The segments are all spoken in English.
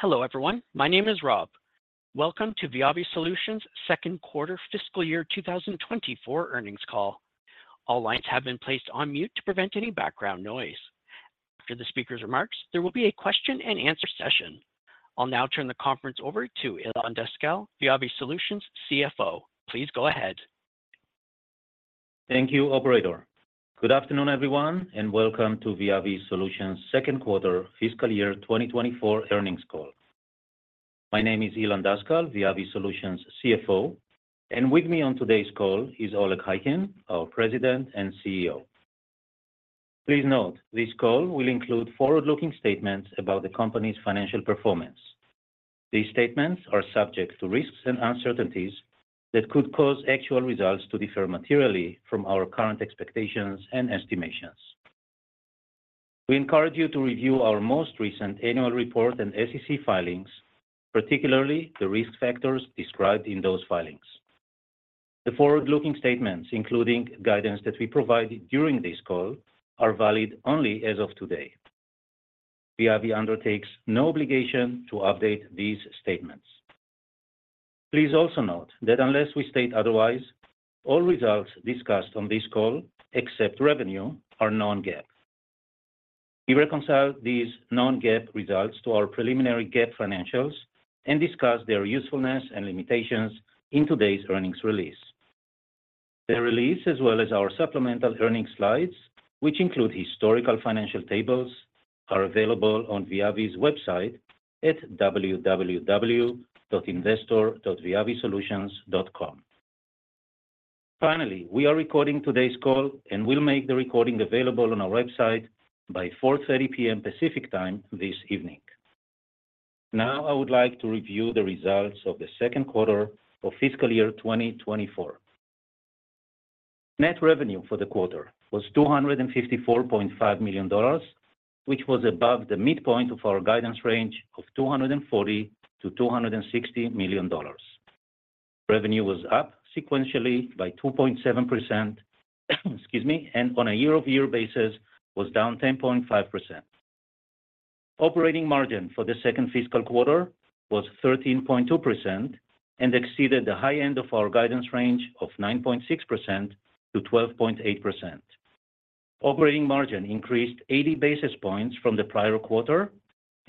Hello, everyone. My name is Rob. Welcome to VIAVI Solutions' Second Quarter Fiscal Year 2024 Earnings Call. All lines have been placed on mute to prevent any background noise. After the speaker's remarks, there will be a question-and-answer session. I'll now turn the conference over to Ilan Daskal, VIAVI Solutions CFO. Please go ahead. Thank you, operator. Good afternoon, everyone, and welcome to VIAVI Solutions' Second Quarter Fiscal Year 2024 Earnings Call. My name is Ilan Daskal, VIAVI Solutions CFO, and with me on today's call is Oleg Khaykin, our President and CEO. Please note, this call will include forward-looking statements about the company's financial performance. These statements are subject to risks and uncertainties that could cause actual results to differ materially from our current expectations and estimations. We encourage you to review our most recent annual report and SEC filings, particularly the risk factors described in those filings. The forward-looking statements, including guidance that we provide during this call, are valid only as of today. VIAVI undertakes no obligation to update these statements. Please also note that unless we state otherwise, all results discussed on this call, except revenue, are non-GAAP. We reconcile these non-GAAP results to our preliminary GAAP financials and discuss their usefulness and limitations in today's earnings release. The release, as well as our supplemental earnings slides, which include historical financial tables, are available on VIAVI's website at www.investor.viavisolutions.com. Finally, we are recording today's call, and we'll make the recording available on our website by 4:30 P.M. Pacific Time this evening. Now, I would like to review the results of the second quarter of fiscal year 2024. Net revenue for the quarter was $254.5 million, which was above the midpoint of our guidance range of $240 million-$260 million. Revenue was up sequentially by 2.7%, excuse me, and on a year-over-year basis, was down 10.5%. Operating margin for the second fiscal quarter was 13.2% and exceeded the high end of our guidance range of 9.6%-12.8%. Operating margin increased 80 basis points from the prior quarter,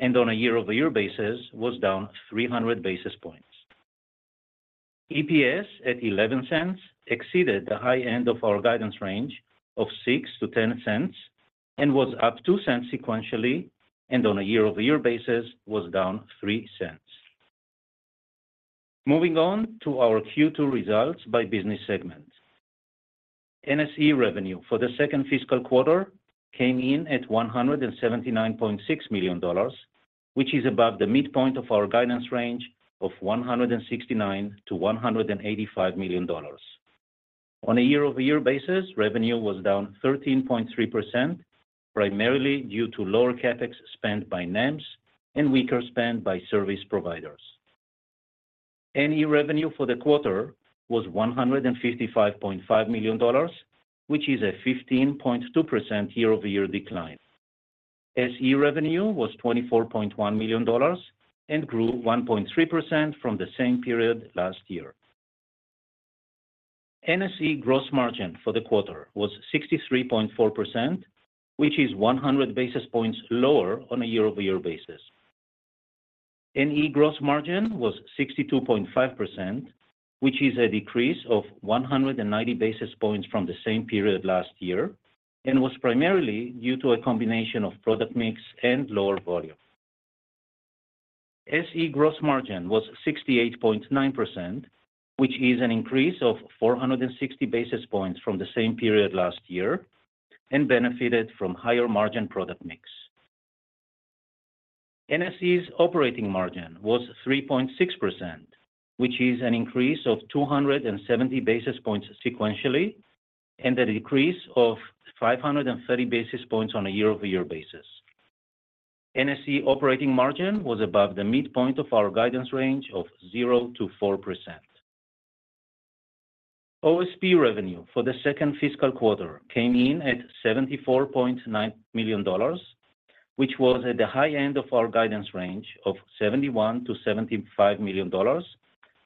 and on a year-over-year basis, was down 300 basis points. EPS at $0.11 exceeded the high end of our guidance range of $0.06-$0.10 and was up $0.02 sequentially, and on a year-over-year basis, was down $0.03. Moving on to our Q2 results by business segment. NSE revenue for the second fiscal quarter came in at $179.6 million, which is above the midpoint of our guidance range of $169 million-$185 million. On a year-over-year basis, revenue was down 13.3%, primarily due to lower CapEx spend by NEMs and weaker spend by service providers. NE revenue for the quarter was $155.5 million, which is a 15.2% year-over-year decline. SE revenue was $24.1 million and grew 1.3% from the same period last year. NSE gross margin for the quarter was 63.4%, which is 100 basis points lower on a year-over-year basis. NE gross margin was 62.5%, which is a decrease of 190 basis points from the same period last year, and was primarily due to a combination of product mix and lower volume. SE gross margin was 68.9%, which is an increase of 460 basis points from the same period last year and benefited from higher-margin product mix. NSE's operating margin was 3.6%, which is an increase of 270 basis points sequentially, and a decrease of 530 basis points on a year-over-year basis. NSE operating margin was above the midpoint of our guidance range of 0%-4%. OSP revenue for the second fiscal quarter came in at $74.9 million, which was at the high end of our guidance range of $71 million-$75 million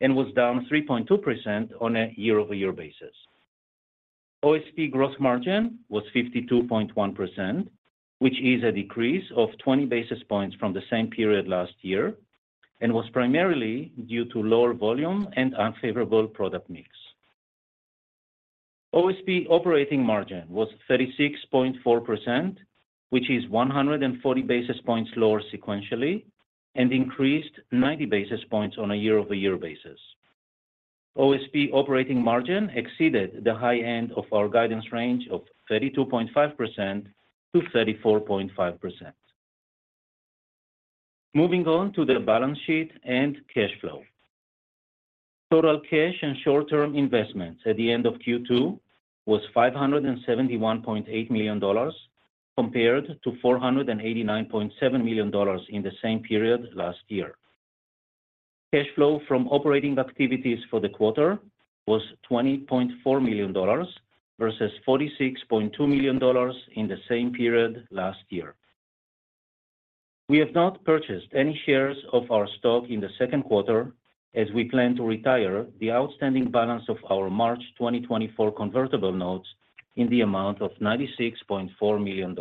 and was down 3.2% on a year-over-year basis. OSP gross margin was 52.1%, which is a decrease of 20 basis points from the same period last year and was primarily due to lower volume and unfavorable product mix. OSP operating margin was 36.4%, which is 140 basis points lower sequentially and increased 90 basis points on a year-over-year basis. OSP operating margin exceeded the high end of our guidance range of 32.5%-34.5%. Moving on to the balance sheet and cash flow. Total cash and short-term investments at the end of Q2 was $571.8 million, compared to $489.7 million in the same period last year. Cash flow from operating activities for the quarter was $20.4 million, versus $46.2 million in the same period last year. We have not purchased any shares of our stock in the second quarter, as we plan to retire the outstanding balance of our March 2024 convertible notes in the amount of $96.4 million.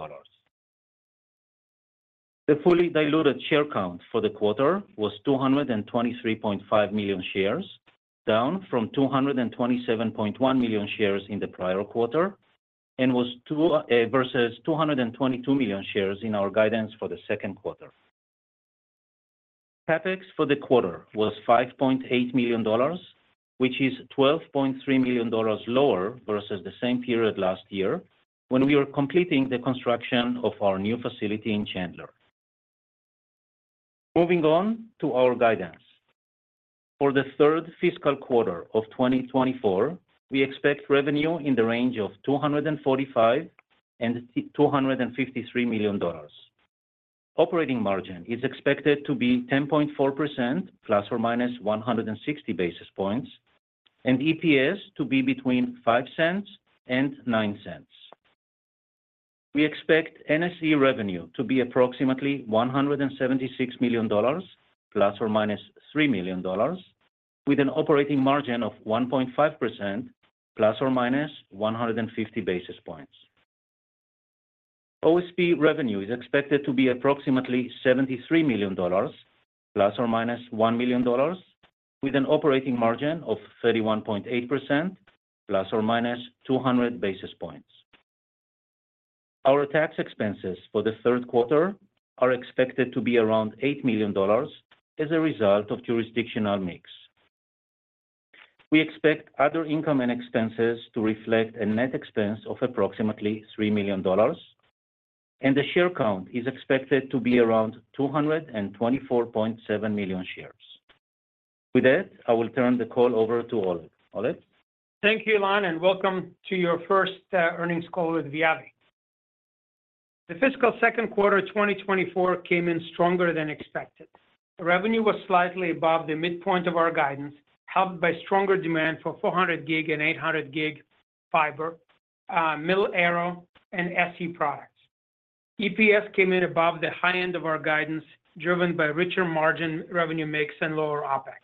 The fully diluted share count for the quarter was 223.5 million shares, down from 227.1 million shares in the prior quarter, and was two, versus 222 million shares in our guidance for the second quarter. CapEx for the quarter was $5.8 million, which is $12.3 million lower versus the same period last year, when we were completing the construction of our new facility in Chandler. Moving on to our guidance. For the third fiscal quarter of 2024, we expect revenue in the range of $245 million-$253 million. Operating margin is expected to be 10.4%, ±160 basis points, and EPS to be between $0.05 and $0.09. We expect NSE revenue to be approximately $176 million, ±$3 million, with an operating margin of 1.5%, ±150 basis points. OSP revenue is expected to be approximately $73 million, ±$1 million, with an operating margin of 31.8%, ±200 basis points. Our tax expenses for the third quarter are expected to be around $8 million as a result of jurisdictional mix. We expect other income and expenses to reflect a net expense of approximately $3 million, and the share count is expected to be around 224.7 million shares. With that, I will turn the call over to Oleg. Oleg? Thank you, Ilan, and welcome to your first earnings call with VIAVI. The fiscal second quarter, 2024 came in stronger than expected. Revenue was slightly above the midpoint of our guidance, helped by stronger demand for 400G and 800G fiber, Mil-Aero and SE products. EPS came in above the high end of our guidance, driven by richer margin revenue mix and lower OpEx.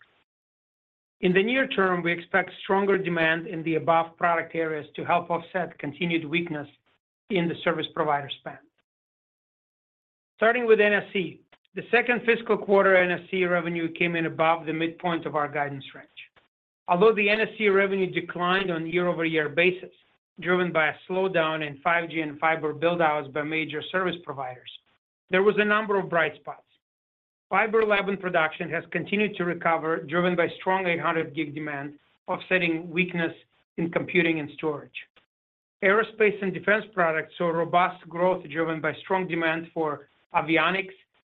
In the near term, we expect stronger demand in the above product areas to help offset continued weakness in the service provider spend. Starting with NSE. The second fiscal quarter NSE revenue came in above the midpoint of our guidance range. Although the NSE revenue declined on year-over-year basis, driven by a slowdown in 5G and fiber build-outs by major service providers, there was a number of bright spots. Fiber lab and production has continued to recover, driven by strong 800G demand, offsetting weakness in computing and storage. Aerospace and defense products saw robust growth, driven by strong demand for avionics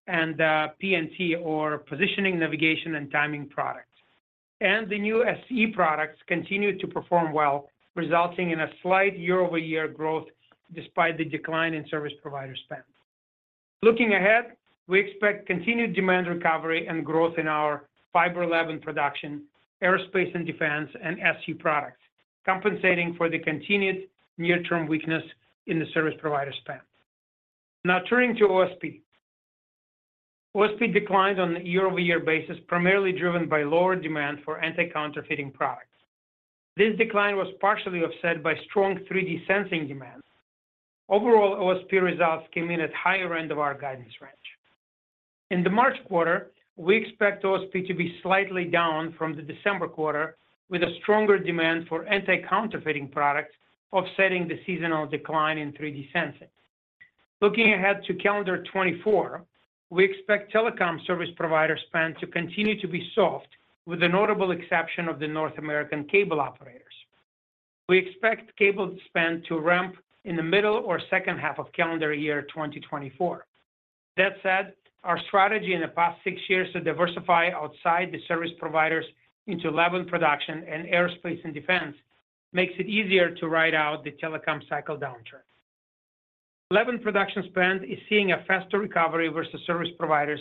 and PNT, or positioning, navigation, and timing products. And the new SE products continued to perform well, resulting in a slight year-over-year growth despite the decline in service provider spend. Looking ahead, we expect continued demand recovery and growth in our fiber lab and production, aerospace and defense, and SE products, compensating for the continued near-term weakness in the service provider spend. Now turning to OSP. OSP declined on a year-over-year basis, primarily driven by lower demand for anti-counterfeiting products. This decline was partially offset by strong 3D sensing demand. Overall, OSP results came in at higher end of our guidance range. In the March quarter, we expect OSP to be slightly down from the December quarter, with a stronger demand for anti-counterfeiting products, offsetting the seasonal decline in 3D sensing. Looking ahead to calendar 2024, we expect telecom service provider spend to continue to be soft, with the notable exception of the North American cable operators. We expect cable spend to ramp in the middle or second half of calendar year 2024. That said, our strategy in the past six years to diversify outside the service providers into lab and production and aerospace and defense, makes it easier to ride out the telecom cycle downturn. NEM production spend is seeing a faster recovery versus service providers,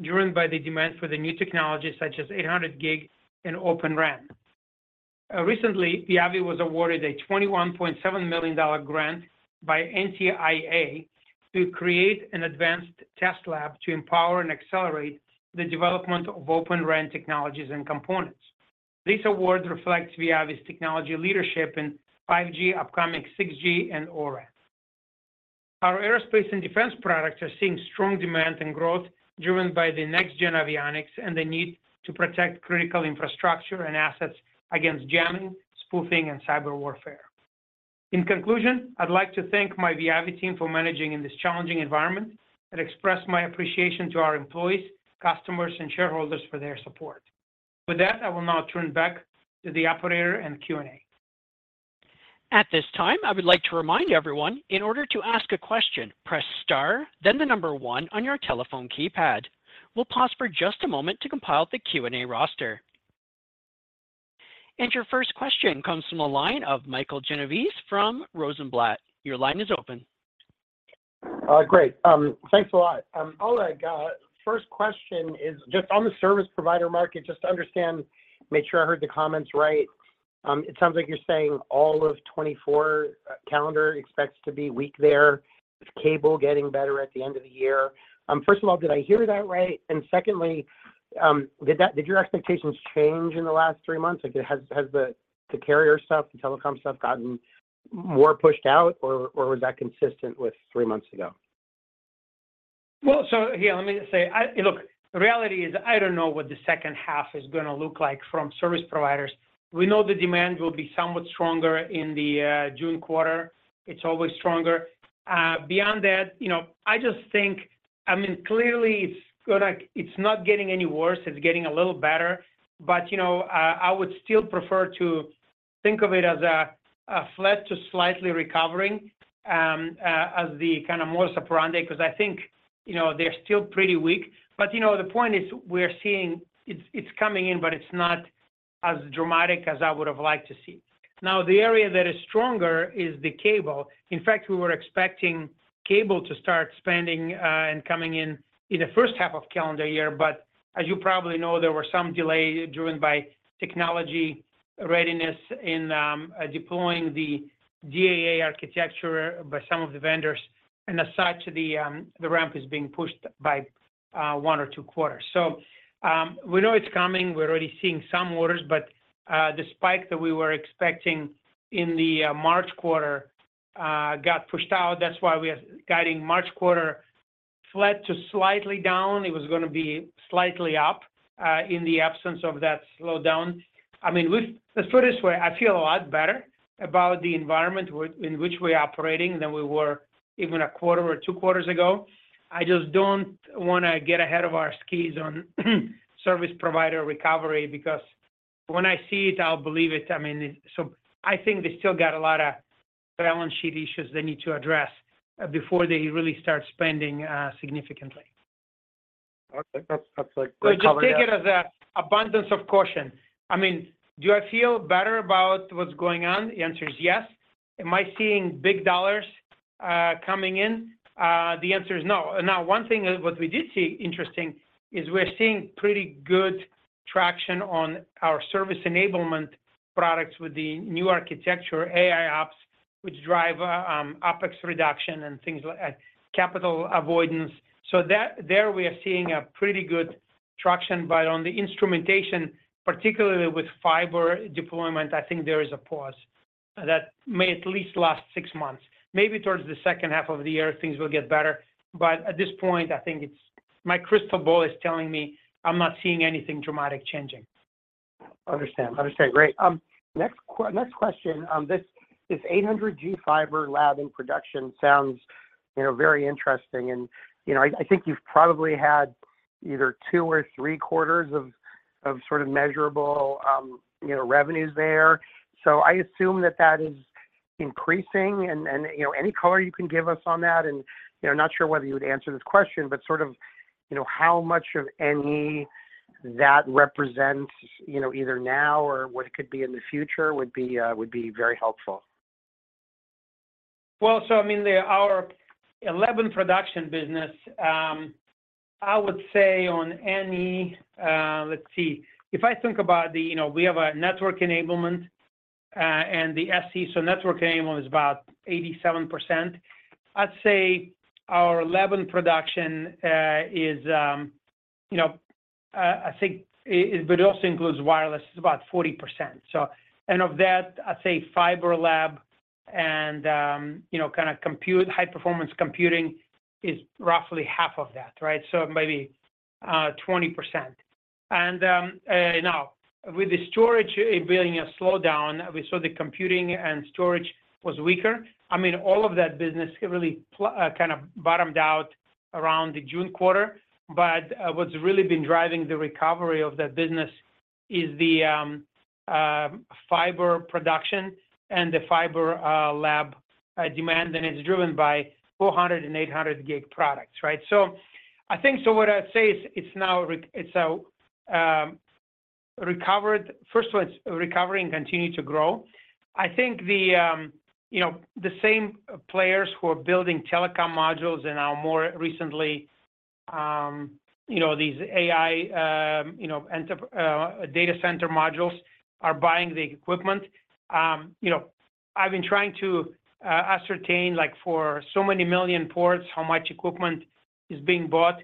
driven by the demand for the new technologies such as 800G and Open RAN. Recently, VIAVI was awarded a $21.7 million grant by NTIA to create an advanced test lab to empower and accelerate the development of Open RAN technologies and components. This award reflects VIAVI's technology leadership in 5G, upcoming 6G, and O-RAN. Our aerospace and defense products are seeing strong demand and growth, driven by the next-gen avionics and the need to protect critical infrastructure and assets against jamming, spoofing, and cyber warfare. In conclusion, I'd like to thank my VIAVI team for managing in this challenging environment and express my appreciation to our employees, customers, and shareholders for their support. With that, I will now turn back to the operator and Q&A. At this time, I would like to remind everyone, in order to ask a question, press star, then one on your telephone keypad. We'll pause for just a moment to compile the Q&A roster.... And your first question comes from the line of Michael Genovese from Rosenblatt. Your line is open. Great. Thanks a lot. Oleg, first question is just on the service provider market, just to understand, make sure I heard the comments right. It sounds like you're saying all of 2024 calendar expects to be weak there, with cable getting better at the end of the year. First of all, did I hear that right? And secondly, did your expectations change in the last three months? Like, has the carrier stuff, the telecom stuff gotten more pushed out, or was that consistent with three months ago? Well, so here, let me just say, look, the reality is, I don't know what the second half is gonna look like from service providers. We know the demand will be somewhat stronger in the June quarter. It's always stronger. Beyond that, you know, I just think, I mean, clearly, it's not getting any worse, it's getting a little better. But, you know, I would still prefer to think of it as a flat to slightly recovering as the kind of more surround day, 'cause I think, you know, they're still pretty weak. But, you know, the point is, we're seeing it's coming in, but it's not as dramatic as I would have liked to see. Now, the area that is stronger is the cable. In fact, we were expecting cable to start spending, and coming in in the first half of calendar year. But as you probably know, there were some delay driven by technology readiness in deploying the DAA architecture by some of the vendors, and as such, the ramp is being pushed by one or two quarters. So, we know it's coming. We're already seeing some orders, but the spike that we were expecting in the March quarter got pushed out. That's why we are guiding March quarter flat to slightly down. It was gonna be slightly up in the absence of that slowdown. I mean, let's put it this way, I feel a lot better about the environment in which we're operating than we were even a quarter or two quarters ago. I just don't wanna get ahead of our skis on service provider recovery, because when I see it, I'll believe it. I mean, so I think they still got a lot of balance sheet issues they need to address before they really start spending significantly. Okay. That's like- So just take it as an abundance of caution. I mean, do I feel better about what's going on? The answer is yes. Am I seeing big dollars coming in? The answer is no. Now, one thing, what we did see interesting, is we're seeing pretty good traction on our Service Enablement products with the new architecture, AI apps, which drive OpEx reduction and things like capital avoidance. So there we are seeing pretty good traction. But on the instrumentation, particularly with fiber deployment, I think there is a pause that may at least last six months. Maybe towards the second half of the year, things will get better. But at this point, I think it's... My crystal ball is telling me I'm not seeing anything dramatic changing. Understand. Understand. Great. Next question. This, this 800G fiber lab in production sounds, you know, very interesting. And, you know, I, I think you've probably had either two or three quarters of, of sort of measurable, you know, revenues there. So I assume that that is increasing and, and, you know, any color you can give us on that, and, you know, not sure whether you would answer this question, but sort of, you know, how much of any that represents, you know, either now or what it could be in the future would be, would be very helpful. Well, so I mean, our lab and production business, I would say on any, let's see. If I think about the, you know, we have a Network Enablement and the SE, so Network Enablement is about 87%. I'd say our lab and production is, you know, I think it but it also includes wireless, is about 40%. So, and of that, I'd say fiber lab and, you know, kinda compute, high performance computing is roughly half of that, right? So maybe 20%. And, now, with the storage being a slowdown, we saw the computing and storage was weaker. I mean, all of that business really kind of bottomed out around the June quarter. But what's really been driving the recovery of that business is the fiber production and the fiber lab demand, and it's driven by 400G and 800G products, right? So I think, so what I'd say is, it's now recovered. First of all, it's recovering, continue to grow. I think the, you know, the same players who are building telecom modules and now more recently, you know, these AI, you know, enterprise data center modules are buying the equipment. You know, I've been trying to ascertain, like, for so many million ports, how much equipment is being bought.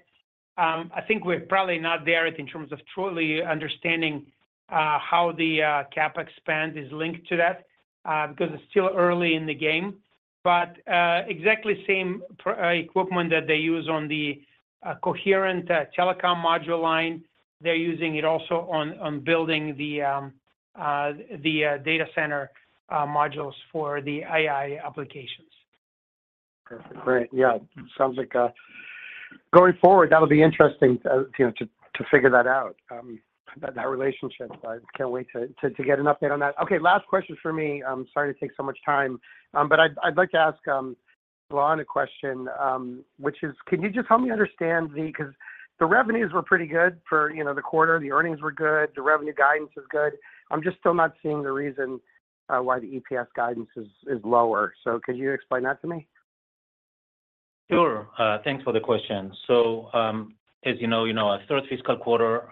I think we're probably not there in terms of truly understanding how the CapEx spend is linked to that, because it's still early in the game. But, exactly same equipment that they use on the coherent telecom module line, they're using it also on building the data center modules for the AI applications. Perfect. Great. Yeah. Sounds like, going forward, that'll be interesting, you know, to figure that out, that relationship. I can't wait to get an update on that. Okay, last question for me. I'm sorry to take so much time. But I'd like to ask... Well, one question, which is, can you just help me understand, see? Because the revenues were pretty good for, you know, the quarter. The earnings were good, the revenue guidance is good. I'm just still not seeing the reason, why the EPS guidance is lower. So could you explain that to me? Sure. Thanks for the question. So, as you know, you know, our third fiscal quarter,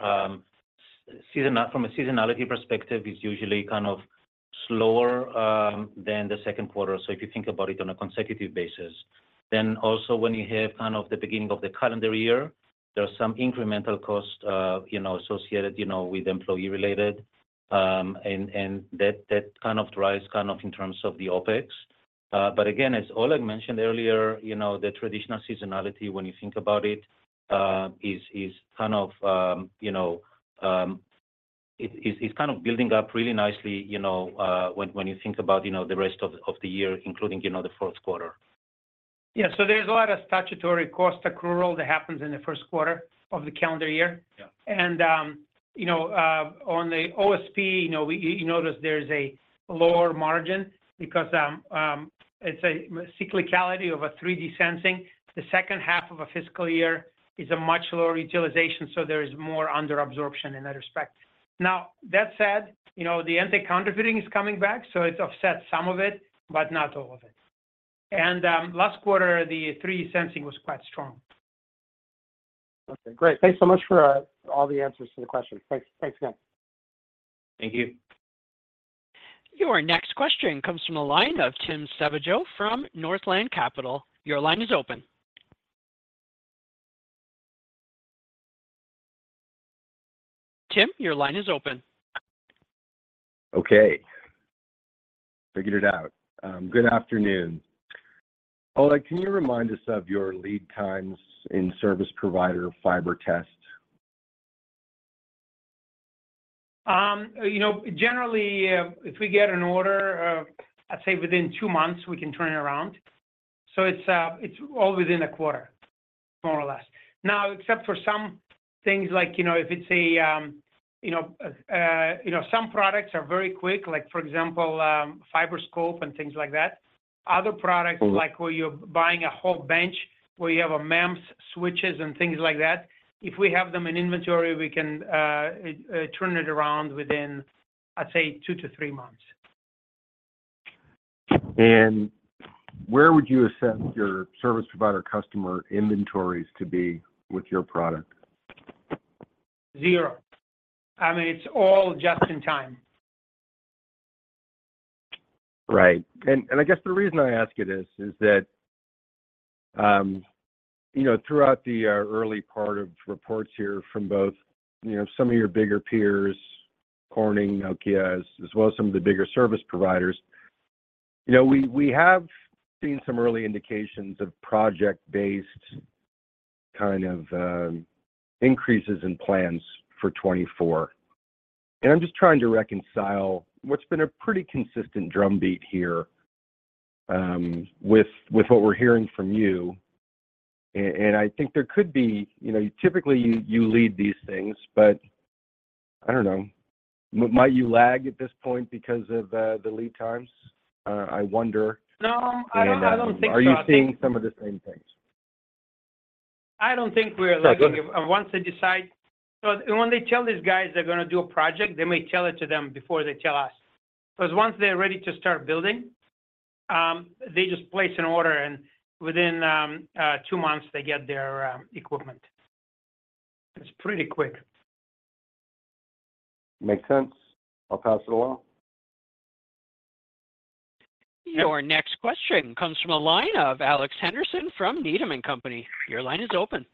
seasonality from a seasonality perspective, is usually kind of slower than the second quarter, so if you think about it on a consecutive basis. Then also when you have kind of the beginning of the calendar year, there are some incremental costs, you know, associated, you know, with employee related, and that kind of drives kind of in terms of the OpEx. But again, as Oleg mentioned earlier, you know, the traditional seasonality, when you think about it, is kind of, you know, it, it's kind of building up really nicely, you know, when you think about, you know, the rest of the year, including, you know, the fourth quarter. Yeah. So there's a lot of statutory cost accrual that happens in the first quarter of the calendar year. Yeah. You know, on the OSP, you know, you notice there's a lower margin because it's a cyclicality of a 3D sensing. The second half of a fiscal year is a much lower utilization, so there is more under absorption in that respect. Now, that said, you know, the anti-counterfeiting is coming back, so it offsets some of it, but not all of it. Last quarter, the 3D sensing was quite strong. Okay, great. Thanks so much for all the answers to the questions. Thanks. Thanks again. Thank you. Your next question comes from the line of Tim Savageaux from Northland Capital Markets. Your line is open. Tim, your line is open. Okay. Figured it out. Good afternoon. Oleg, can you remind us of your lead times in service provider fiber test? You know, generally, if we get an order, I'd say within two months, we can turn it around. So it's all within a quarter, more or less. Now, except for some things like, you know, if it's a, you know, you know, some products are very quick, like, for example, fiberscope and things like that. Other products- Mm-hmm... like, where you're buying a whole bench, where you have a MEMS, switches, and things like that, if we have them in inventory, we can turn it around within, I'd say, two-three months. Where would you assess your service provider customer inventories to be with your product? Zero. I mean, it's all just in time. Right. And I guess the reason I ask you this is that, you know, throughout the early part of reports here from both, you know, some of your bigger peers, Corning, Nokia, as well as some of the bigger service providers, you know, we have seen some early indications of project-based kind of increases in plans for 2024. And I'm just trying to reconcile what's been a pretty consistent drumbeat here with what we're hearing from you. And I think there could be... You know, typically, you lead these things, but I don't know. Might you lag at this point because of the lead times? I wonder. No, I don't, I don't think so. Are you seeing some of the same things? I don't think we're lagging. Okay. Once they decide. So when they tell these guys they're gonna do a project, they may tell it to them before they tell us. Because once they're ready to start building, they just place an order, and within two months, they get their equipment. It's pretty quick. Makes sense. I'll pass it along. Your next question comes from a line of Alex Henderson from Needham & Company. Your line is open.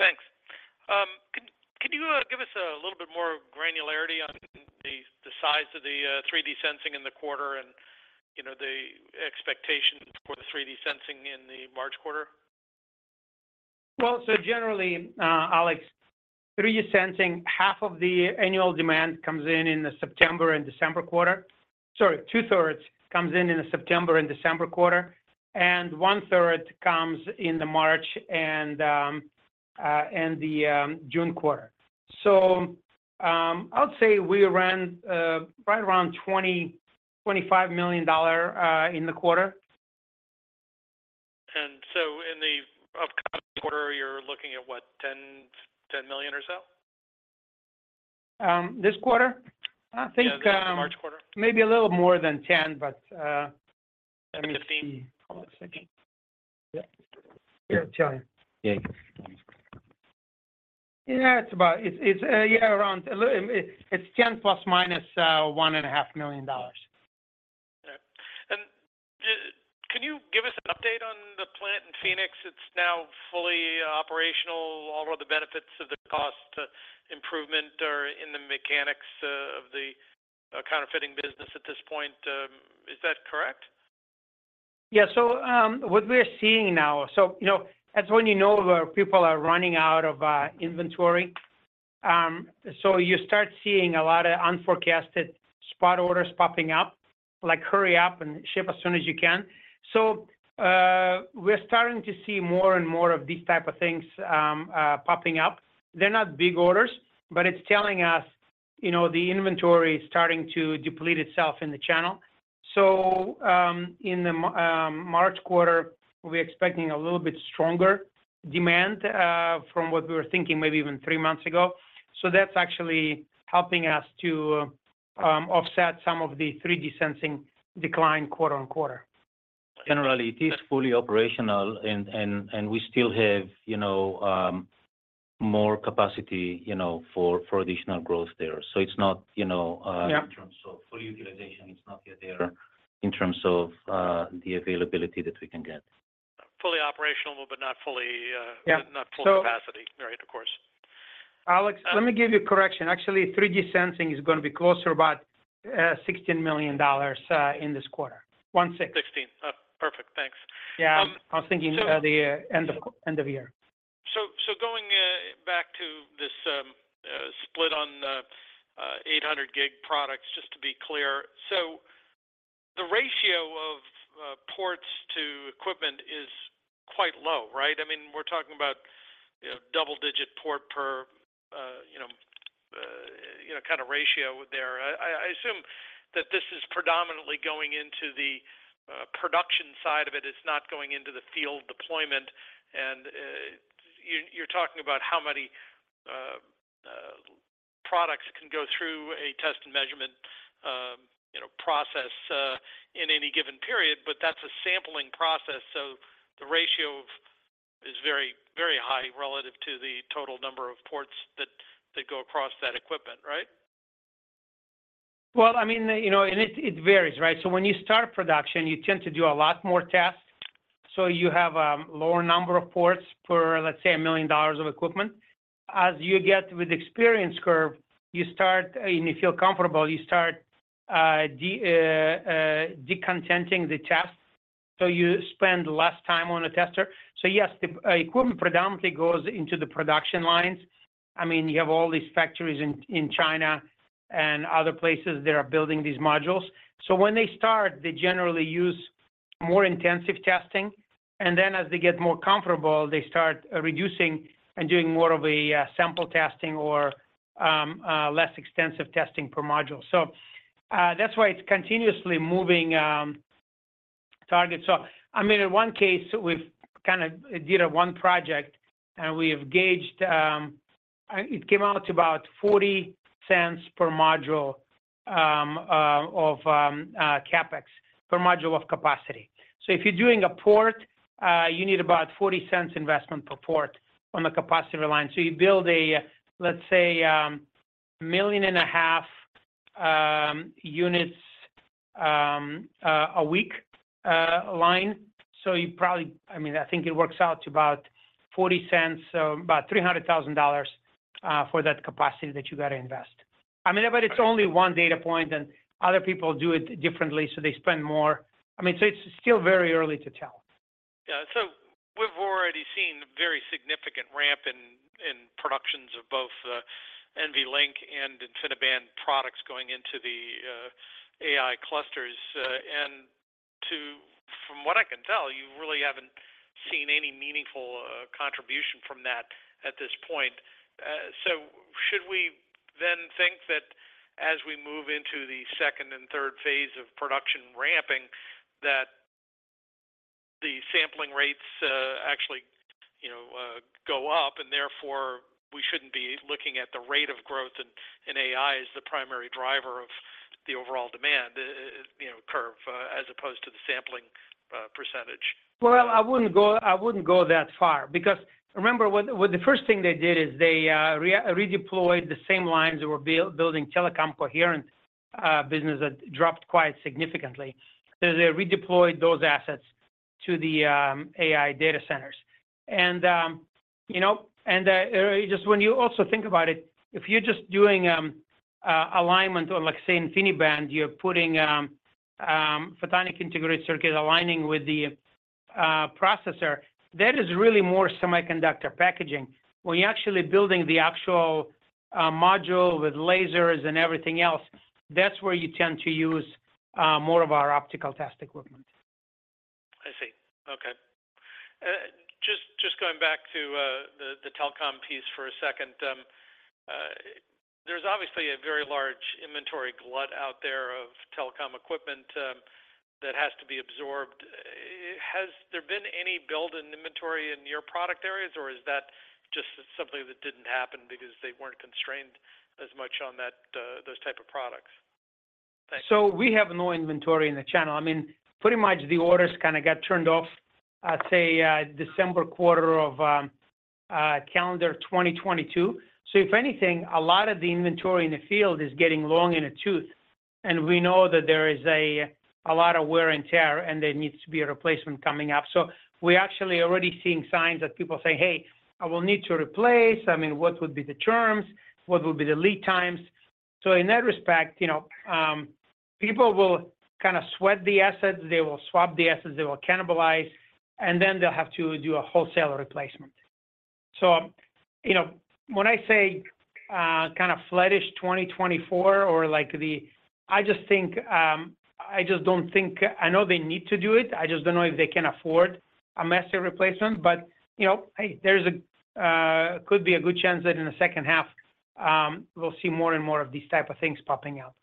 Thanks. Can you give us a little bit more granularity on the size of the 3D sensing in the quarter and, you know, the expectation for the 3D sensing in the March quarter? Well, so generally, Alex, 3D Sensing, half of the annual demand comes in the September and December quarter. Sorry, two-thirds comes in the September and December quarter, and one-third comes in the March and June quarter. So, I would say we ran right around $20 million-$25 million in the quarter. In the upcoming quarter, you're looking at, what, 10, $10 million or so? This quarter? I think- Yeah, the March quarter.... maybe a little more than 10, but, let me see. 15, almost thinking. Yeah. Yeah, tell you. Yeah. Yeah, it's about... yeah, around a little. It's $10 million ± $1.5 million. Okay. And, can you give us an update on the plant in Phoenix? It's now fully operational. All of the benefits of the cost improvement are in the mechanics of the counterfeiting business at this point. Is that correct? Yeah, so, what we're seeing now. So, you know, that's when you know where people are running out of inventory. So you start seeing a lot of unforecasted spot orders popping up, like, hurry up and ship as soon as you can. So, we're starting to see more and more of these type of things popping up. They're not big orders, but it's telling us, you know, the inventory is starting to deplete itself in the channel. So, in the March quarter, we're expecting a little bit stronger demand from what we were thinking maybe even three months ago. So that's actually helping us to offset some of the 3D Sensing decline quarter-on-quarter. Generally, it is fully operational and we still have, you know, more capacity, you know, for additional growth there. So it's not, you know, Yeah In terms of full utilization, it's not yet there in terms of the availability that we can get. Fully operational, but not fully, Yeah. Not full capacity. Right, of course. Alex, let me give you a correction. Actually, 3D Sensing is gonna be closer to about $16 million in this quarter. 16. 16. Perfect. Thanks. Yeah. Um- I was thinking about the end of year. So going back to this split on 800G products, just to be clear. So the ratio of ports to equipment is quite low, right? I mean, we're talking about, you know, double-digit port per, you know, you know, kind of ratio there. I assume that this is predominantly going into the production side of it, it's not going into the field deployment, and you're talking about how many products can go through a test and measurement, you know, process in any given period, but that's a sampling process. So the ratio is very, very high relative to the total number of ports that go across that equipment, right? Well, I mean, you know, and it varies, right? So when you start production, you tend to do a lot more tests. So you have a lower number of ports per, let's say, $1 million of equipment. As you get with experience curve, you start, and you feel comfortable, you start, decontenting the test, so you spend less time on a tester. So yes, the equipment predominantly goes into the production lines. I mean, you have all these factories in China and other places that are building these modules. So when they start, they generally use more intensive testing, and then as they get more comfortable, they start reducing and doing more of a, sample testing or, less extensive testing per module. So, that's why it's continuously moving target. So I mean, in one case, we've kinda did a one project and we have gauged. It came out to about $0.40 per module of CapEx, per module of capacity. So if you're doing a port, you need about $0.40 investment per port on the capacity line. So you build a, let's say, 1.5 million units a week line. So you probably—I mean, I think it works out to about $0.40, so about $300,000 for that capacity that you got to invest. I mean, but it's only one data point, and other people do it differently, so they spend more. I mean, so it's still very early to tell. Yeah. So we've already seen very significant ramp in productions of both NVLink and InfiniBand products going into the AI clusters. From what I can tell, you really haven't seen any meaningful contribution from that at this point. So should we then think that as we move into the second and third phase of production ramping, that the sampling rates actually, you know, go up, and therefore, we shouldn't be looking at the rate of growth in AI as the primary driver of the overall demand, you know, curve, as opposed to the sampling percentage? Well, I wouldn't go, I wouldn't go that far, because remember, what the first thing they did is they redeployed the same lines that were building telecom coherent business that dropped quite significantly. They redeployed those assets to the AI data centers. And, you know, and, just when you also think about it, if you're just doing alignment on like, say, InfiniBand, you're putting photonic integrated circuit, aligning with the processor, that is really more semiconductor packaging. When you're actually building the actual module with lasers and everything else, that's where you tend to use more of our optical test equipment. I see. Okay. Just going back to the telecom piece for a second. There's obviously a very large inventory glut out there of telecom equipment that has to be absorbed. Has there been any build in inventory in your product areas, or is that just something that didn't happen because they weren't constrained as much on that, those type of products? So we have no inventory in the channel. I mean, pretty much the orders kinda got turned off at, say, December quarter of calendar 2022. So if anything, a lot of the inventory in the field is getting long in the tooth, and we know that there is a lot of wear and tear, and there needs to be a replacement coming up. So we actually already seeing signs that people say, "Hey, I will need to replace. I mean, what would be the terms? What will be the lead times?" So in that respect, you know, people will kinda sweat the assets, they will swap the assets, they will cannibalize, and then they'll have to do a wholesale replacement. So, you know, when I say kind of flattish 2024 or like the—I just think, I just don't think—I know they need to do it, I just don't know if they can afford a massive replacement. But, you know, hey, there could be a good chance that in the second half we'll see more and more of these type of things popping up.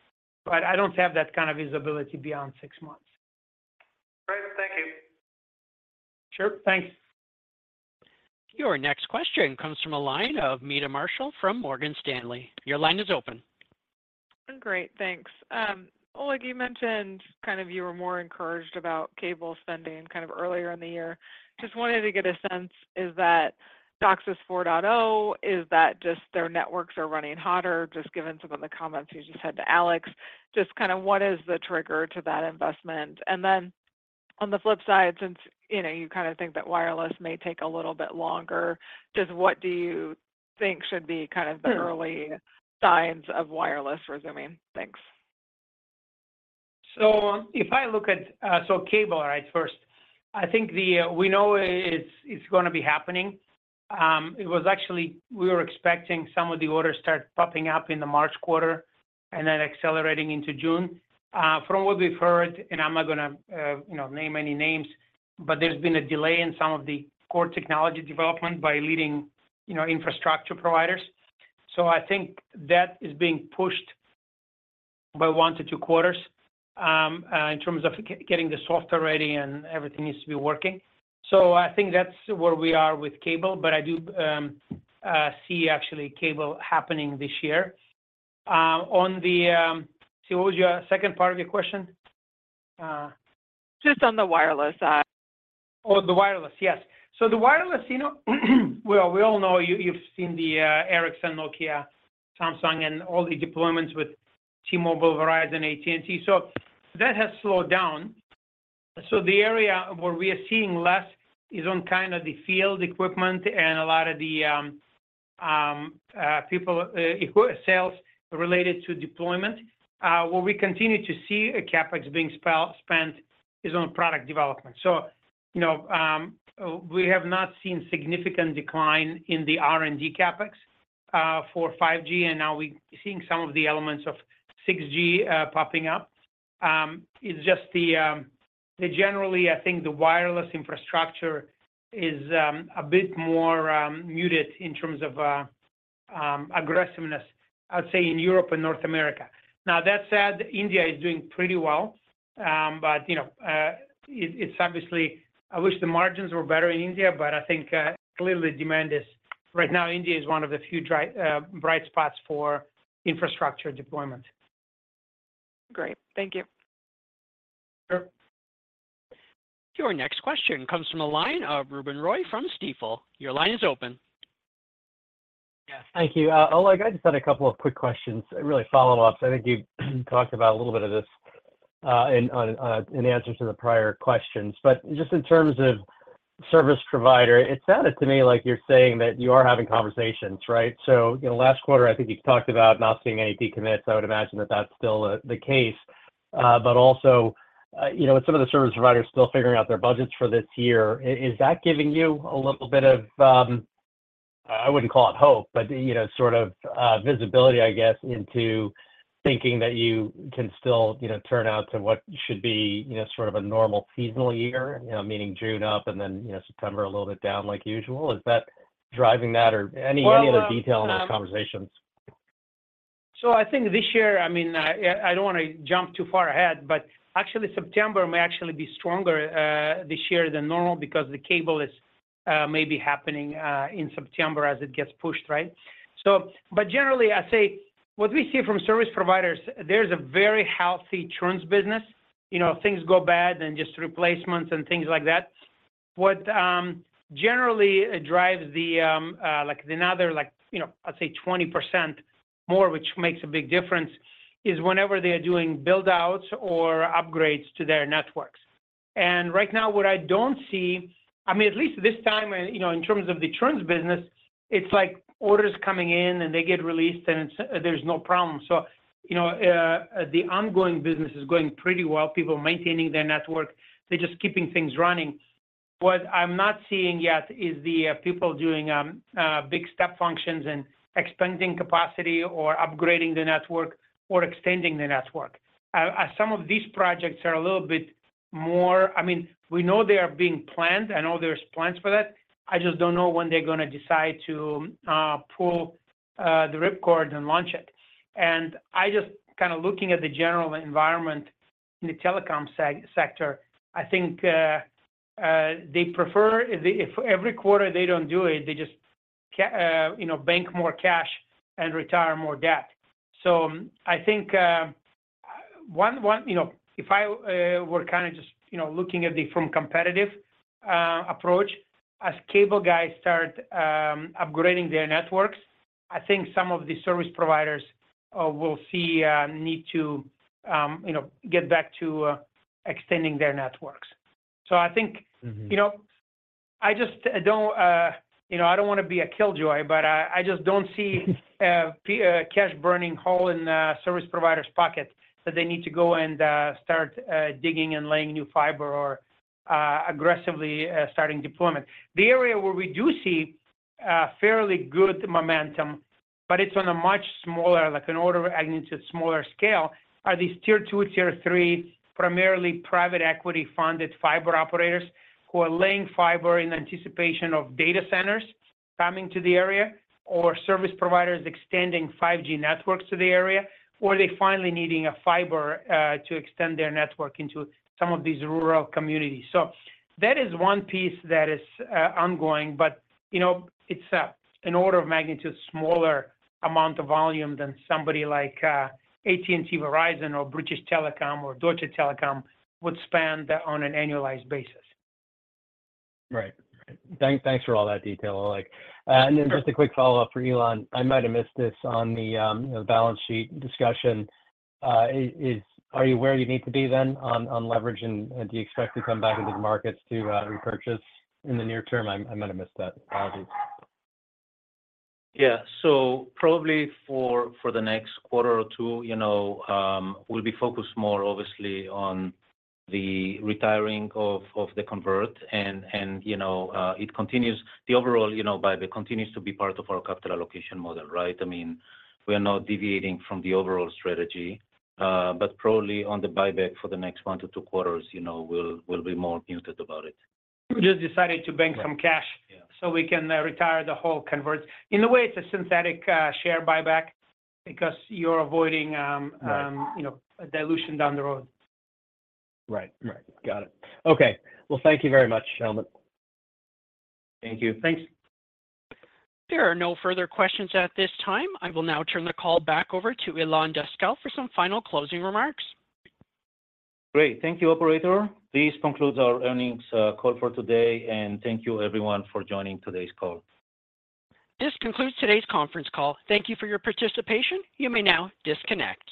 But I don't have that kind of visibility beyond six months. Great. Thank you. Sure. Thanks. Your next question comes from the line of Meta Marshall from Morgan Stanley. Your line is open. Great, thanks. Oleg, you mentioned kind of you were more encouraged about cable spending kind of earlier in the year. Just wanted to get a sense, is that DOCSIS 4.0? Is that just their networks are running hotter? Just given some of the comments you just said to Alex, just kind of what is the trigger to that investment? And then on the flip side, since, you know, you kind of think that wireless may take a little bit longer, just what do you think should be kind of the early signs of wireless resuming? Thanks. So if I look at so cable, right, first, I think we know it's gonna be happening. It was actually we were expecting some of the orders start popping up in the March quarter and then accelerating into June. From what we've heard, and I'm not gonna you know name any names, but there's been a delay in some of the core technology development by leading you know infrastructure providers. So I think that is being pushed by one to two quarters, in terms of getting the software ready and everything needs to be working. So I think that's where we are with cable, but I do see actually cable happening this year. On the so what was your second part of your question? Just on the wireless side. Oh, the wireless, yes. So the wireless, you know, well, we all know, you've seen the Ericsson, Nokia, Samsung, and all the deployments with T-Mobile, Verizon, AT&T, so that has slowed down. So the area where we are seeing less is on kind of the field equipment and a lot of the sales related to deployment. Where we continue to see a CapEx being spent is on product development. So, you know, we have not seen significant decline in the R&D CapEx for 5G, and now we're seeing some of the elements of 6G popping up. It's just generally, I think the wireless infrastructure is a bit more muted in terms of aggressiveness, I'd say, in Europe and North America. Now, that said, India is doing pretty well. But, you know, it's obviously... I wish the margins were better in India, but I think, clearly demand is right now, India is one of the few bright spots for infrastructure deployment. Great. Thank you. Sure. Your next question comes from a line of Ruben Roy from Stifel. Your line is open. Yes, thank you. Oleg, I just had a couple of quick questions, really follow-ups. I think you talked about a little bit of this, in answer to the prior questions, but just in terms of service provider, it sounded to me like you're saying that you are having conversations, right? So, you know, last quarter, I think you talked about not seeing any decommits. I would imagine that that's still the case. But also, you know, with some of the service providers still figuring out their budgets for this year, is that giving you a little bit of, I wouldn't call it hope, but, you know, sort of, visibility, I guess, into thinking that you can still, you know, turn out to what should be, you know, sort of a normal seasonal year? You know, meaning June up and then, you know, September a little bit down like usual. Is that driving that or any, any other detail in those conversations? So I think this year, I mean, I don't want to jump too far ahead, but actually, September may actually be stronger this year than normal because the cable is maybe happening in September as it gets pushed, right? So but generally, I say what we see from service providers, there's a very healthy trans business. You know, if things go bad, then just replacements and things like that. What generally drives the like another like you know I'd say 20% more, which makes a big difference, is whenever they are doing buildouts or upgrades to their networks. And right now, what I don't see, I mean, at least this time, you know, in terms of the trans business, it's like orders coming in and they get released, and it's, there's no problem. So, you know, the ongoing business is going pretty well. People are maintaining their network. They're just keeping things running. What I'm not seeing yet is the people doing big step functions and expanding capacity or upgrading the network or extending the network. Some of these projects are a little bit more. I mean, we know they are being planned. I know there's plans for that. I just don't know when they're gonna decide to pull the rip cord and launch it. And I just kind of looking at the general environment in the telecom sector, I think they prefer if every quarter they don't do it, they just you know, bank more cash and retire more debt. So I think, one, you know, if I were kind of just, you know, looking at the from competitive approach, as cable guys start upgrading their networks, I think some of the service providers will see need to, you know, get back to extending their networks. So I think- Mm-hmm. You know, I just don't, you know, I don't want to be a killjoy, but I, I just don't see cash burning hole in the service provider's pocket, that they need to go and start digging and laying new fiber or aggressively starting deployment. The area where we do see fairly good momentum, but it's on a much smaller, like an order of magnitude, smaller scale, are these Tier 2, Tier 3, primarily private equity-funded fiber operators, who are laying fiber in anticipation of data centers coming to the area, or service providers extending 5G networks to the area, or they finally needing a fiber to extend their network into some of these rural communities. So that is one piece that is ongoing, but, you know, it's an order of magnitude smaller amount of volume than somebody like AT&T, Verizon or British Telecom or Deutsche Telekom would spend on an annualized basis. Right. Thanks for all that detail, Oleg. And then just a quick follow-up for Ilan. I might have missed this on the balance sheet discussion. Are you where you need to be then on leverage, and do you expect to come back into the markets to repurchase in the near term? I might have missed that. Apologies. Yeah. So probably for the next quarter or two, you know, we'll be focused more obviously on the retiring of the convert, and you know, it continues the overall, you know, buyback continues to be part of our capital allocation model, right? I mean, we are not deviating from the overall strategy, but probably on the buyback for the next one to two quarters, you know, we'll be more muted about it. We just decided to bank some cash- Yeah So we can retire the whole convertibles. In a way, it's a synthetic share buyback because you're avoiding, Right... you know, dilution down the road. Right. Right. Got it. Okay. Well, thank you very much, gentlemen. Thank you. Thanks. There are no further questions at this time. I will now turn the call back over to Ilan Daskal for some final closing remarks. Great. Thank you, operator. This concludes our earnings call for today, and thank you everyone for joining today's call. This concludes today's conference call. Thank you for your participation. You may now disconnect.